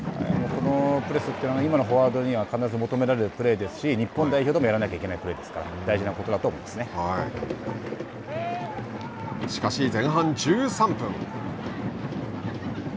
このプレスというのは今のフォワードには必ず求められるプレーですし日本代表でもやらなきゃいけないプレーですからしかし前半１３分。